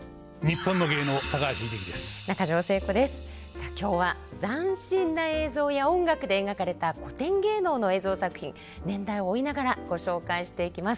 さあ今日は斬新な映像や音楽で描かれた古典芸能の映像作品年代を追いながらご紹介していきます。